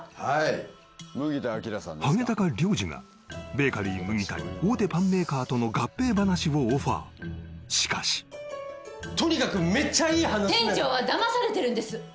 はいハゲタカ良治がベーカリー麦田に大手パンメーカーとの合併話をオファーしかしとにかくめっちゃいい話店長はだまされてるんです